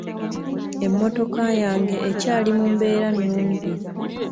Emmotoka yange ekyali mu mbeera nnungi.